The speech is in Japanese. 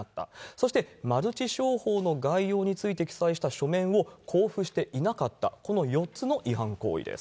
そしてマルチ商法の概要について記載した書面を交付していなかった、この４つの違反行為です。